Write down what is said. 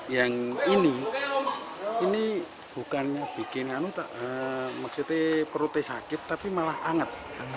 yang ini ini bukannya bikin maksudnya perutnya sakit tapi malah hangat